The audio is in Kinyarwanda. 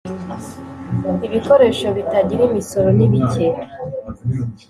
ibikoresho bitagira imisoro nibike.